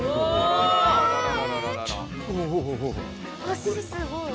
足すごい！